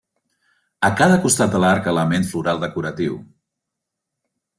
A cada costat de l'arc element floral decoratiu.